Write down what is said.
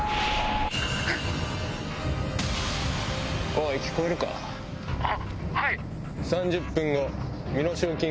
おい聞こえるか？ははい。